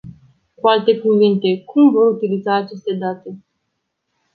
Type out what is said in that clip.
Cu alte cuvinte, cum vor utiliza aceste date?